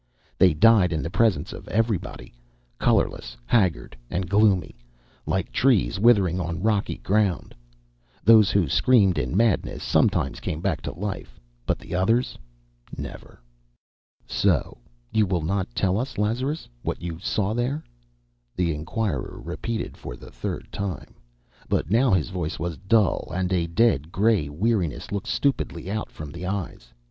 They died in the presence of everybody, colourless, haggard and gloomy, like trees withering on rocky ground. Those who screamed in madness sometimes came back to life; but the others, never. "So you will not tell us, Lazarus, what you saw There?" the inquirer repeated for the third time. But now his voice was dull, and a dead, grey weariness looked stupidly from out his eyes.